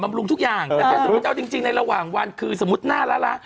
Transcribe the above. บำรุงทุกอย่างจริงในระหว่างวันคือสมมุติหน้าแระ